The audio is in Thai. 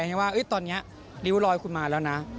อย่างนี้ว่าตอนนี้ริวรอยคุณมาแล้วนะ